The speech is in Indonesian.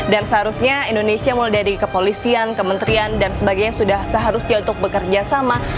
dan seharusnya indonesia mulai dari kepolisian kementerian dan sebagainya sudah seharusnya untuk bekerjasama